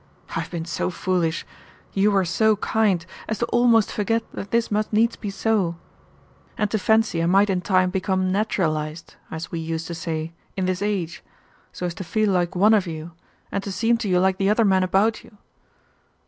I have been so foolish, you were so kind, as to almost forget that this must needs be so, and to fancy I might in time become naturalized, as we used to say, in this age, so as to feel like one of you and to seem to you like the other men about you.